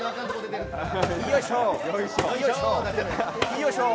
よいしょ。